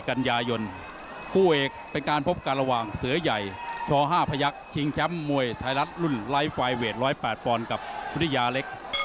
กันยายนคู่เอกเป็นการพบกันระหว่างเสือใหญ่ช๕พยักษ์ชิงแชมป์มวยไทยรัฐรุ่นไลฟ์ไฟเวท๑๐๘ปอนด์กับวิทยาเล็ก